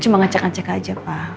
cuma ngecek ngecek aja pak